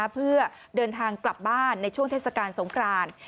เพื่อเดินทางกลับบ้านในช่วงเทศกาลสงคราน